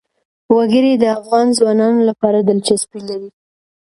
وګړي د افغان ځوانانو لپاره دلچسپي لري.